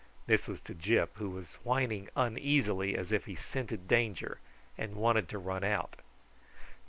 This was to Gyp, who was whining uneasily as if he scented danger, and wanted to run out.